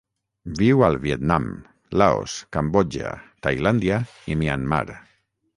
Viu al Vietnam, Laos, Cambodja, Tailàndia i Myanmar.